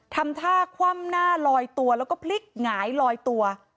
ทำท่าคว่ำหน้าลอยตัวแล้วก็พลิกหงายลอยตัว